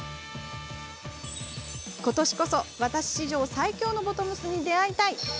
ことしこそ、私至上最強のボトムスに出会いたい！